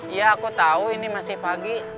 iya aku tahu ini masih pagi